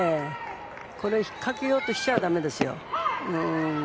引っかけようとしちゃだめですよ。